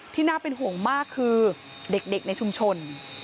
น่าเป็นห่วงมากคือเด็กในชุมชน